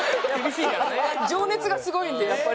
情熱がすごいんでやっぱり。